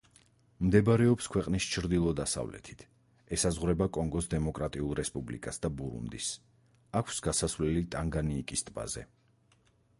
მდებარეობს ქვეყნის ჩრდილო-დასავლეთით, ესაზღვრება კონგოს დემოკრატიულ რესპუბლიკას და ბურუნდის, აქვს გასასვლელი ტანგანიიკის ტბაზე.